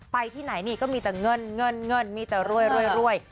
ไปที่ไหนก็มีแต่เงินมีแต่รวย